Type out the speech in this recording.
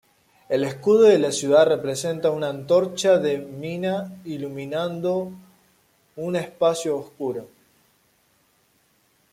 El escudo de la ciudad representa un antorcha de mina, iluminando un espacio oscuro.